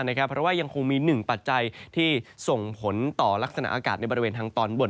เพราะว่ายังคงมีหนึ่งปัจจัยที่ส่งผลต่อลักษณะอากาศในบริเวณทางตอนบน